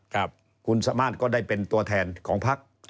ครับคุณสามารถก็ได้เป็นตัวแทนของพัก